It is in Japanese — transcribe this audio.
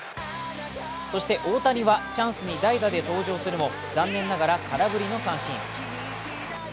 そして大谷はチャンスに代打で出場するも残念ながら空振りの三振。